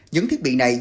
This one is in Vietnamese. những thiết bị này do